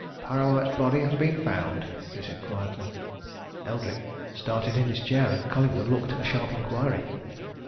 "Parrawhite's body has been found," he said quietly. Eldrick started in his chair, and Collingwood looked a sharp inquiry.